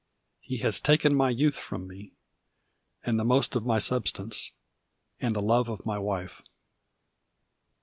He has taken my youth from me, and the most of my substance, and the love of my wife.